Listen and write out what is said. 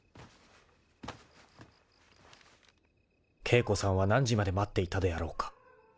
［景子さんは何時まで待っていたであろうか］